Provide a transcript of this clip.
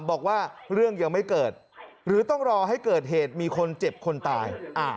บอกว่าเรื่องยังไม่เกิดหรือต้องรอให้เกิดเหตุมีคนเจ็บคนตาย